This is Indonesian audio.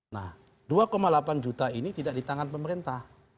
nah dua delapan juta ini tidak di tangan pemerintah